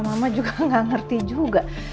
mama juga gak ngerti juga